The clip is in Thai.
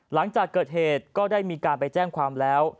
หลังจากเกิดเหตุก็ได้มีการไปแจ้งความแล้ว